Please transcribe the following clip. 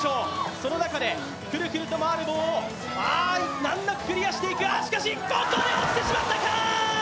その中でくるくると回る棒を難なくクリアしていく、あ、しかし、落ちてしまったか。